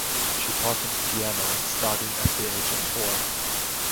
She taught him piano, starting at the age of four.